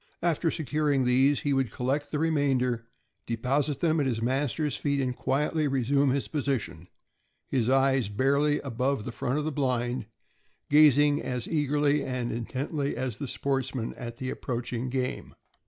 After securing these, he would collect the remainder, deposit them at his master's feet, and quietly resume his position ; his eyes, barely above the front of the blind, gazing as eagerly and intently as the sportsman at the approaching game.